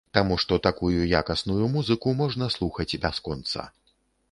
Таму што такую якасную музыку можна слухаць бясконца.